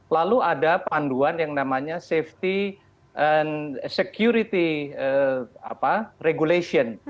lalu ada panduan yang namanya safety and security regulation